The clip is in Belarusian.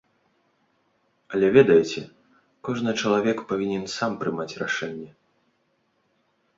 Але ведаеце, кожны чалавек павінен сам прымаць рашэнне.